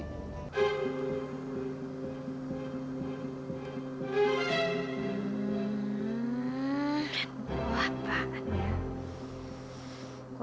hmm apaan ya